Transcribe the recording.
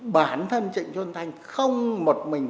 bản thân trị xuân thành không một mình